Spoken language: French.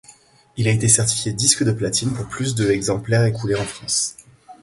Il a été certifié disque de platine pour plus de exemplaires écoulés en France.